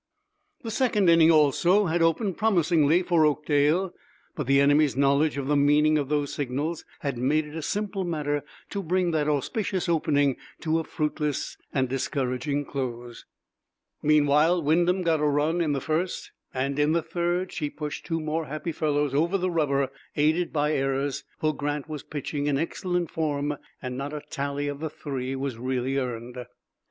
The second inning, also, had opened promisingly for Oakdale, but the enemy's knowledge of the meaning of those signals had made it a simple matter to bring that auspicious opening to a fruitless and discouraging close. Meanwhile Wyndham got a run in the first, and in the third she pushed two more happy fellows over the rubber, aided by errors; for Grant was pitching in excellent form, and not a tally of the three was really earned.